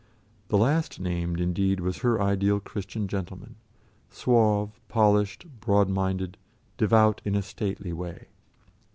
The last named, indeed, was her ideal Christian gentleman, suave, polished, broad minded, devout in a stately way.